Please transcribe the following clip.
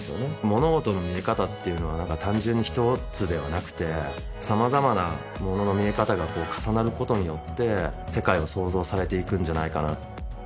物事の見え方っていうのは単純に一つではなくて様々なものの見え方が重なることによって世界は創造されていくんじゃないかな